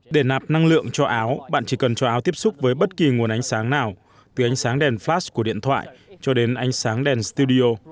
để nạp năng lượng cho áo bạn chỉ cần cho áo tiếp xúc với bất kỳ nguồn ánh sáng nào từ ánh sáng đèn fas của điện thoại cho đến ánh sáng đèn studio